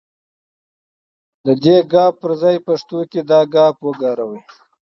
د دې ګ پر ځای پښتو کې دا گ وکاروئ.